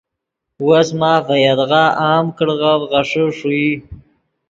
وس ماف ڤے یدغا عام کڑغف غیݰے ݰوئی